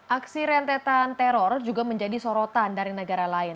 aksi rentetan teror juga menjadi sorotan dari negara lain